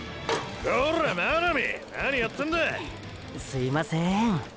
すいませーん。